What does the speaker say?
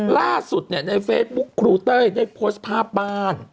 ล่าสุดเนี่ยในเฟซบุ๊คครูเต้ยได้โพสต์ภาพบ้าน